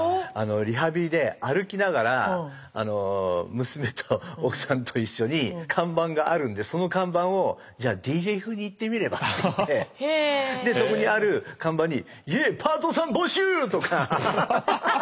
リハビリで歩きながら娘と奥さんと一緒に看板があるんでその看板をＤＪ風に言ってみれば？って言ってでそこにある看板に「イェーパートさん募集！」とか。